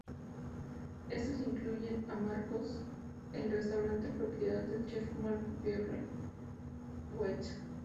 Estos incluyen a "Marco’s", el restaurante propiedad del chef Marco Pierre White.